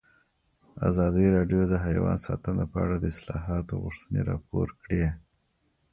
ازادي راډیو د حیوان ساتنه په اړه د اصلاحاتو غوښتنې راپور کړې.